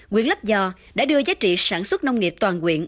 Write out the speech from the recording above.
quyền lắp dò đã đưa giá trị sản xuất nông nghiệp toàn quyện